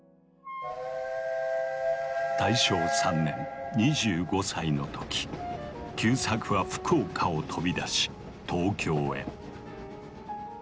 大正３年２５歳の時久作は福岡を飛び出し東京へ。